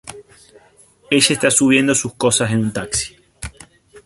Ella está subiendo sus cosas en un taxi.